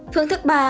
phương thức ba